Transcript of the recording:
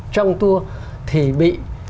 trong tua thì bị